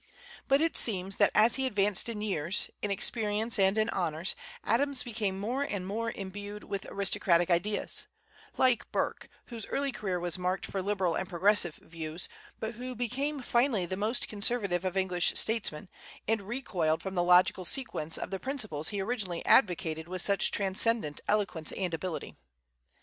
But it seems that as he advanced in years, in experience, and in honors, Adams became more and more imbued with aristocratic ideas, like Burke, whose early career was marked for liberal and progressive views, but who became finally the most conservative of English statesmen, and recoiled from the logical sequence of the principles he originally advocated with such transcendent eloquence and ability.